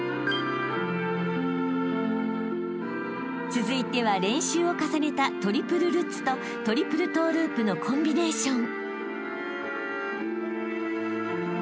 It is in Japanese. ［続いては練習を重ねたトリプルルッツとトリプルトゥループのコンビネーション］